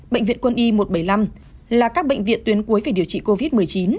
bệnh viện quân y một trăm bảy mươi năm là các bệnh viện tuyến cuối về điều trị covid một mươi chín